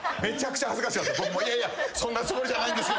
僕もいやいやそんなつもりじゃないんです。